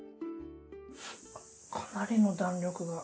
かなりの弾力が。